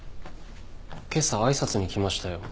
今朝挨拶に来ましたよ。